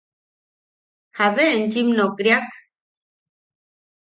–¿Jabe enchim nokriak?